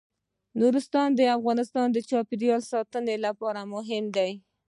نورستان د افغانستان د چاپیریال ساتنې لپاره مهم دي.